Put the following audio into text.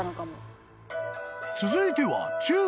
［続いては］